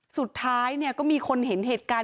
สุดท้ายเนี่ยก็มีคนเห็นเหตุการณ์